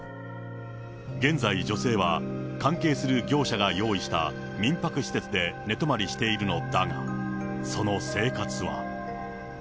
現在、女性は関係する業者が用意した民泊施設で寝泊まりしているのだが、その生活は。